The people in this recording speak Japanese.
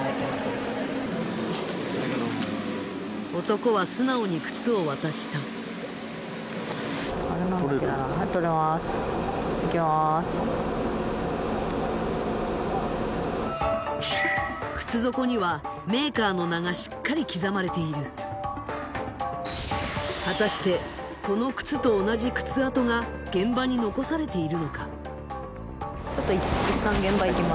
男は素直に靴を渡した靴底にはメーカーの名がしっかり刻まれている果たしてこの靴と同じ靴跡が現場に残されているのか？